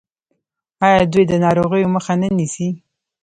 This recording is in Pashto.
آیا دوی د ناروغیو مخه نه نیسي؟